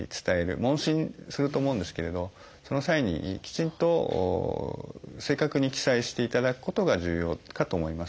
問診すると思うんですけれどその際にきちんと正確に記載していただくことが重要かと思います。